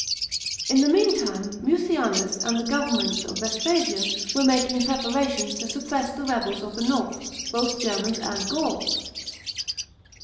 § 10. In the meantime Mucianus and the government of Vespasian were making preparations to suppress ti e lebels of the north, both Germans and Gauls.